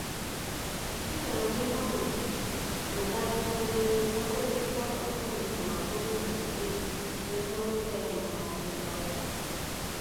Kigambibwa nti, Mugabi omugenzi yakubiddwa akakumbi ku magulu gombi ne ku mutwe era n'afiirawo.